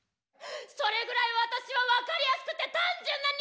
それぐらい私は分かりやすくて単純な人間だ！